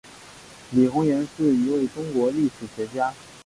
李洪岩是一位中国历史学家。